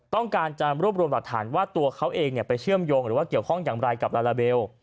ต้องการจะรวบรวมหลักฐานว่าตัวเขาเองไปเชื่อมโยงหรือว่าเกี่ยวข้องอย่างไรกับลาลาเบล